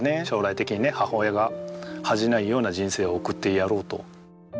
将来的にね母親が恥じないような人生を送ってやろうと。